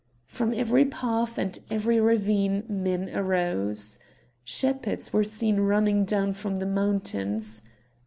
From every path and every ravine men arose. Shepherds were seen running down from the mountains.